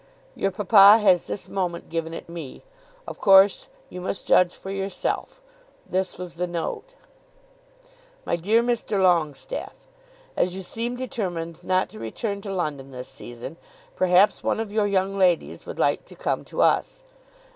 "Your papa has this moment given it me. Of course you must judge for yourself." This was the note; MY DEAR MR. LONGESTAFFE, As you seem determined not to return to London this season, perhaps one of your young ladies would like to come to us.